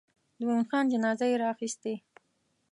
د مومن جان جنازه یې راخیستې.